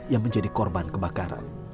yang menjadi korban kebakaran